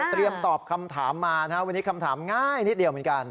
ตอบคำถามมานะครับวันนี้คำถามง่ายนิดเดียวเหมือนกัน